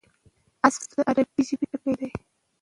حذف د عربي ژبي ټکی دﺉ.